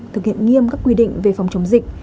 thực hiện nghiêm các quy định về phòng chống dịch